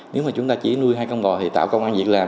nếu mà chúng ta chỉ nuôi hai con bò thì tạo công an việc làm